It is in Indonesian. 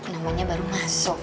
namanya baru masuk